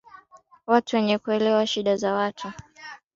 watu wenye kuelewa shida za watu